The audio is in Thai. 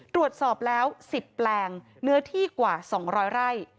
ตรวจสอบแล้ว๑๐แปลงเนื้อที่กว่า๒๐๐ไร่